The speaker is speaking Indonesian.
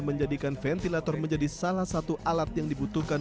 menjadikan ventilator menjadi salah satu alat yang dibutuhkan